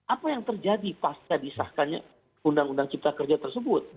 apa yang terjadi pas disahkannya undang undang omnibus hocipta kerja tersebut